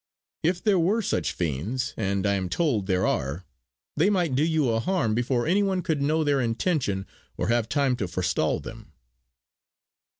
If there were such fiends, and I am told there are, they might do you a harm before any one could know their intention or have time to forestall them."